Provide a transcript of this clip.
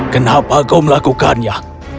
kenapa kau melakukannya